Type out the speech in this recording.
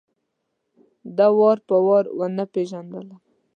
ده وار په وار ونه پېژندلم.